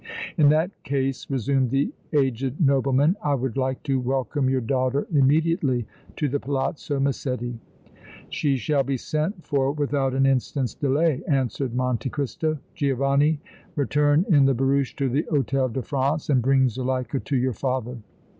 "In that case," resumed the aged nobleman, "I would like to welcome your daughter immediately to the Palazzo Massetti!" "She shall be sent for without an instant's delay," answered Monte Cristo. "Giovanni, return in the barouche to the Hôtel de France and bring Zuleika to your father!"